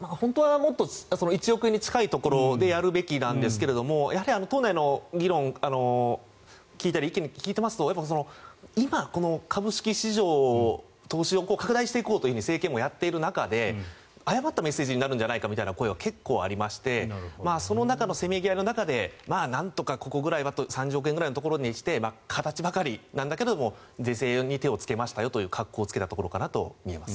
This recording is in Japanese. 本当はもっと１億円に近いところでやるべきなんですけどやはり党内の議論を聞いたり意見を聞いていますと今、この株式市場投資を拡大していこうと政権もやっている中で誤ったメッセージになるんじゃないかという声は結構ありましてその中のせめぎ合いの中でなんとかここぐらいは３０億円ぐらいのところにして形ばかりなんだけども是正に手をつけましたよという格好をつけたところかなと思います。